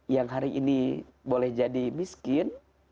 yang hari ini boleh jadi miskin